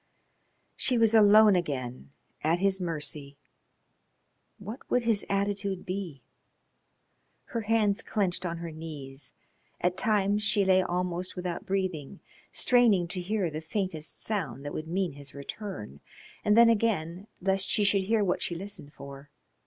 She was alone again at his mercy. What would his attitude be? Her hands clenched on her knees. At times she lay almost without breathing, straining to hear the faintest sound that would mean his return, and then again lest she should hear what she listened for.